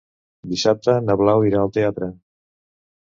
Dissabte na Blau irà al teatre.